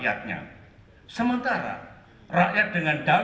ada lembaga publik yang terlalu rely